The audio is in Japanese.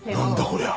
こりゃ。